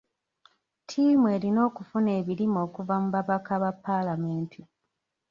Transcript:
Ttiimu erina okufuna ebirime okuva mu babaka ba paalamenti.